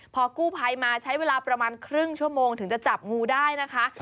พอกู้ภัยมาใช้เวลาประมาณครึ่งชั่วโมงถึงจะจับงูได้นะคะ